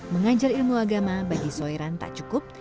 mengajar ilmu agama bagi soiran tak cukup